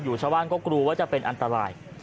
ชาวบ้านก็กลัวว่าจะเป็นอันตราย